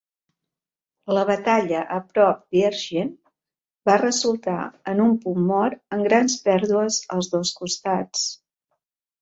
La baralla a prop d'Engen va resultar en un punt mort amb grans pèrdues als dos costats.